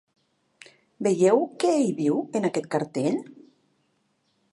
Veieu què hi diu, en aquell cartell?